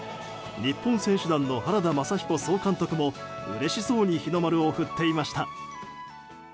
日本選手団の原田雅彦総監督もうれしそうに日の丸を振っていました。